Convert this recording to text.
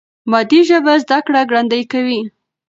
مادي ژبه زده کړه ګړندۍ کوي.